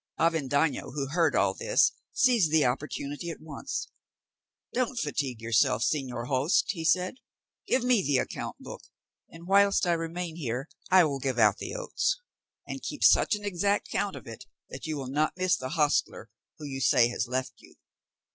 Avendaño, who heard all this, seized the opportunity at once. "Don't fatigue yourself, señor host," he said; "give me the account book, and whilst I remain here I will give out the oats, and keep such an exact account of it that you will not miss the hostler who you say has left you."